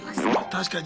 確かに。